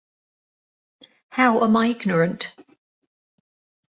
How am I ignorant?